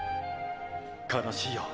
悲しいよ